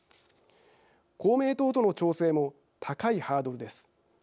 公明党との調整も高いハードルです。